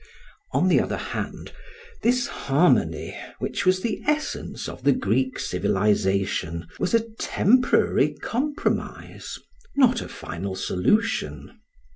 On the other hand, this harmony which was the essence of the Greek civilisation, was a temporary compromise, not a final solution.